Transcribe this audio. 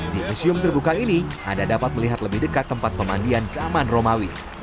di museum terbuka ini anda dapat melihat lebih dekat tempat pemandian zaman romawi